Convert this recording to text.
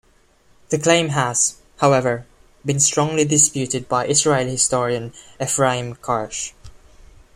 The claim has, however, been strongly disputed by Israeli historian Efraim Karsh.